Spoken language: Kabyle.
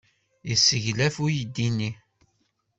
Yesseglef uydi-nni.